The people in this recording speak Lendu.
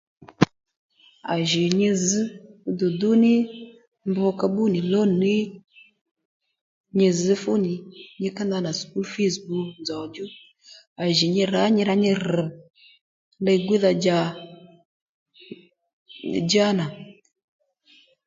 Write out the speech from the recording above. À jì nyi zž dùdú ní mb ka bbú nì lon ní nyi zž fúnì nyi ká ndanà sùkúl fǐz bbu nzòw djú à jì nyi rǎ nyi rá nyi rr̀ li-gwíydha-dja li-gwíydha-djá nà